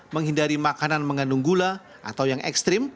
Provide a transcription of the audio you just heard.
menghindari makanan mengandung gula atau yang ekstrim